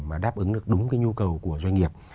mà đáp ứng được đúng cái nhu cầu của doanh nghiệp